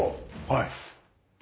はい。